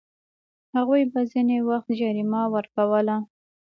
هغوی به ځینې وخت جریمه ورکوله.